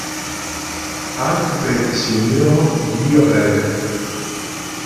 Altri preti si unirono di lì a breve.